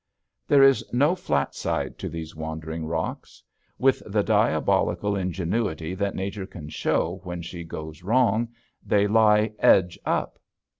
There is no flat side to these wandering rocks. With the diabolical ingenuity that nature can show when she goes wrong, they lie edge up.